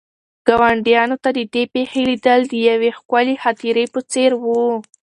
ګاونډیانو ته د دې پېښې لیدل د یوې ښکلې خاطرې په څېر وو.